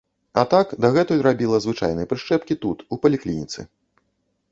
А так, дагэтуль рабіла звычайныя прышчэпкі тут, у паліклініцы.